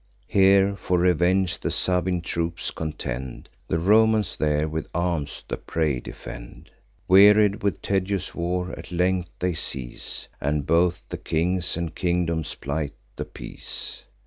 Here for revenge the Sabine troops contend; The Romans there with arms the prey defend. Wearied with tedious war, at length they cease; And both the kings and kingdoms plight the peace.